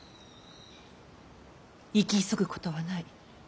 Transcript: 生き急ぐことはない。